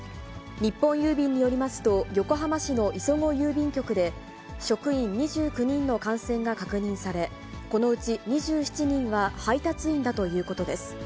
日本郵便によりますと、横浜市の磯子郵便局で、職員２９人の感染が確認され、このうち２７人は配達員だということです。